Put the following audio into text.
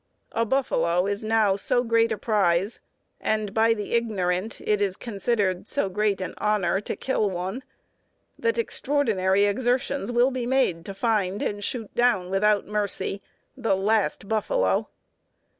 A buffalo is now so great a prize, and by the ignorant it is considered so great an honor(!) to kill one, that extraordinary exertions will be made to find and shoot down without mercy the "last buffalo."